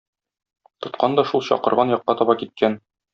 Тоткан да шул чакырган якка таба киткән.